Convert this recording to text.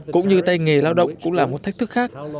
cũng như tay nghề lao động cũng là một thách thức khác